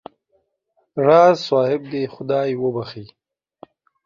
راز صاحب دې خدای وبخښي.